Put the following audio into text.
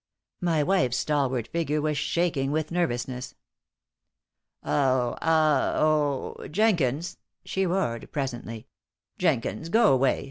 My wife's stalwart figure was shaking with nervousness. "Oh ah oh, Jenkins," she roared, presently. "Jenkins, go away.